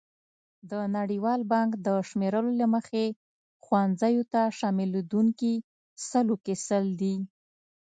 د نړیوال بانک د شمېرو له مخې ښوونځیو ته شاملېدونکي سلو کې سل دي.